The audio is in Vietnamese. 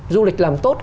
du lịch làm tốt